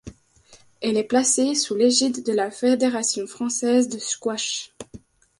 Elle est placée sous l'égide de la Fédération française de squash.